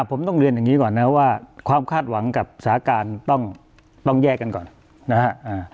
ผมต้องเรียนอย่างนี้ก่อนนะว่าความคาดหวังกับสาการต้องแยกกันก่อนนะฮะ